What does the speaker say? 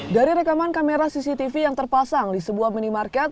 dari rekaman kamera cctv yang terpasang di sebuah minimarket